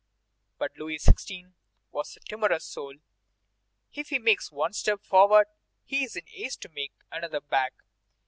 But Louis XVI. has a timorous soul. If he makes one step forward, he is in haste to make another back.